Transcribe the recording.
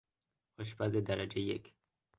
آشپز درجه یک